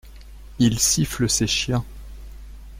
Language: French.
Il siffle ses chiens.